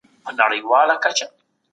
تاسي تل په صلح او ارامۍ کي ژوند کوئ.